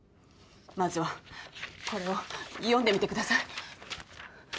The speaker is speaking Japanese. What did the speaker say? まずはこれを読んでみてください。